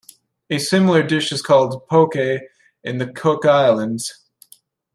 A similar dish is called "Poke" in the Cook Islands.